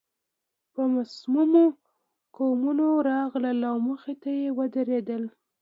په مصممو قدمونو راغله او مخې ته يې ودرېده.